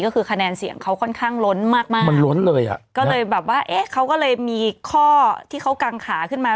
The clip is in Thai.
ก็คือคะแนนเสียงเขาค่อนข้างล้นมากก็เลยแบบว่าเขาก็เลยมีข้อที่เขากางขาขึ้นมา